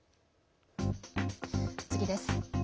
次です。